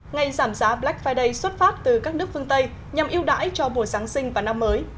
ngày giảm giá black friday xuất phát từ các nước phương tây nhằm yêu đãi cho mùa giáng sinh và năm mới